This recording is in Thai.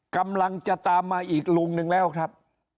กำลังจะตามมาอีกลุงนึงแล้วครับ